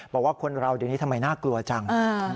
บอกว่าคนเราเดี๋ยวนี้ทำไมน่ากลัวจัง